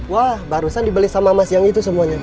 wah barusan dibeli sama mas yang itu semuanya